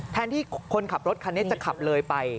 แทนที่ของคนขับรถค่ะจะขับเลยไป